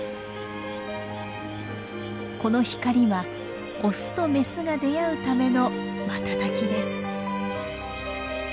この光はオスとメスが出会うための瞬きです。